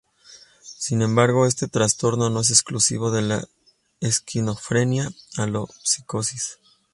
Sin embargo, este trastorno no es exclusivo de la esquizofrenia o la psicosis.